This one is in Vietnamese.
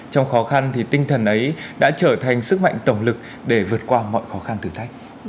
trong khó khăn thì tinh thần ấy đã trở thành sức mạnh tổng lực để vượt qua mọi khó khăn thử thách